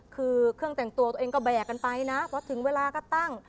คือเครื่องแต่งตัวตัวเองก็แบกกันไปนะเพราะถึงเวลาก็ตั้ง